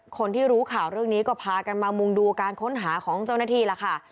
คนที่รู้ข่าวเรื่องนี้ก็พากันมามุงดูการค้นหาของเจ้าหน้าที่ล่ะค่ะ